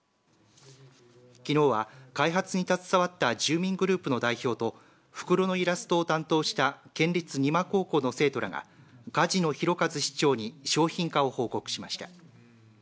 きのうは開発に携わった住民グループの代表と袋のイラストを担当した県立邇摩高校の生徒らが楫野弘和市長に商品化を報告しました。